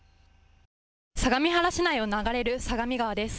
相模原市内を流れる相模川です。